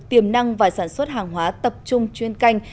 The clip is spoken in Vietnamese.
tiềm năng và sản xuất hàng hóa tập trung chuyên canh